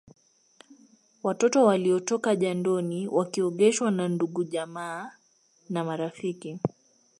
Watoto waliotoka jandoni wakiogeshwa na ndugujamaa na marafiki